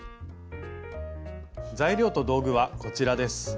材料と道具はこちらです。